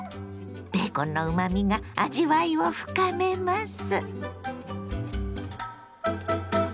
ベーコンのうまみが味わいを深めます。